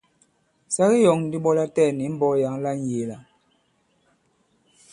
Sa ke yɔ᷇ŋ ndi ɓɔ latɛɛ̀ni i mbɔk yǎŋ la ŋyēe-la.